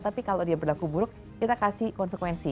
tapi kalau dia berlaku buruk kita kasih konsekuensi